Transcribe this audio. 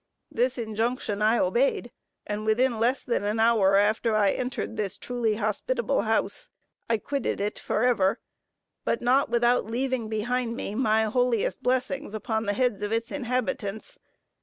This injunction I obeyed, and within less than an hour after I entered this truly hospitable house, I quitted it forever, but not without leaving behind me my holiest blessings upon the heads of its inhabitants.